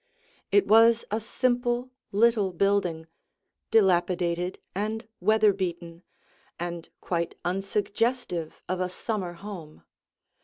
It was a simple little building, dilapidated and weather beaten, and quite unsuggestive of a summer home.